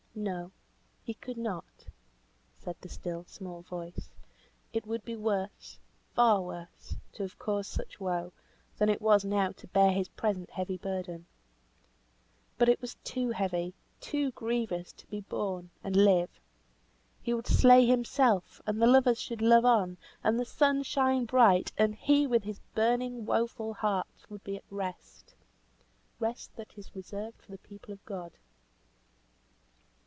No! he could not, said the still small voice. It would be worse, far worse, to have caused such woe, than it was now to bear his present heavy burden. But it was too heavy, too grievous to be borne, and live. He would slay himself, and the lovers should love on, and the sun shine bright, and he with his burning, woeful heart would be at rest. "Rest that is reserved for the people of God."